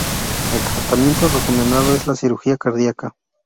El tratamiento recomendado es la cirugía cardiaca.